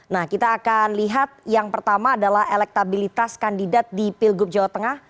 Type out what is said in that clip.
nah kita akan lihat yang pertama adalah elektabilitas kandidat di pilgub jawa tengah